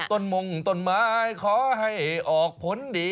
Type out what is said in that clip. มงต้นไม้ขอให้ออกผลดี